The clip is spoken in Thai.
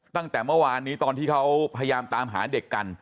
ตั้งแต่เมื่อวานนี้ตอนที่เขาพยายามตามหาเด็กกัน